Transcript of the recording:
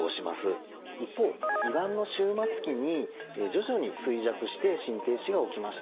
一方胃がんの終末期に徐々に衰弱して心停止が起きました。